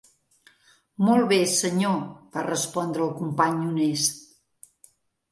"Molt bé, senyor", va respondre el company honest.